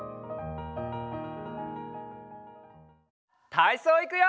たいそういくよ！